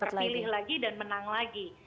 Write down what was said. terpilih lagi dan menang lagi